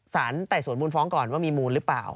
ไต่สวนมูลฟ้องก่อนว่ามีมูลหรือเปล่า